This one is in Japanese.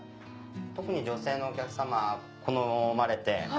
特に女性のお客さま好まれて。